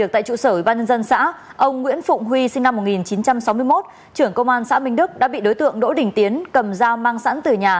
trưởng công an xã minh đức đã bị đối tượng đỗ đình tiến cầm dao mang sẵn từ nhà